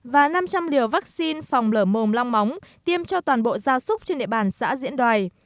và năm trăm linh liều vaccine phòng lở mồm long móng tiêm cho toàn bộ gia súc trên địa bàn xã diễn đoài